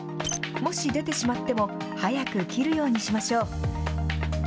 もし出てしまっても、早く切るようにしましょう。